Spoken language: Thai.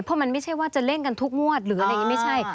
เพราะมันไม่ใช่ว่าจะเล่นกันทุกงวดหรืออะไรอย่างนี้ไม่ใช่